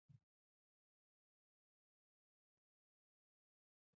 د کوایل د هستې نوعیت مهم دی.